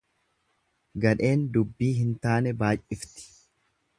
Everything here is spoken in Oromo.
Gadheen dubbii hin taane baay'ifti.